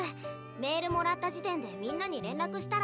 メールもらった時点でみんなに連絡したら。